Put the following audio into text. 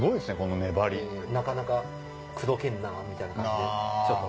なかなか口説けんなぁみたいな感じでちょっと。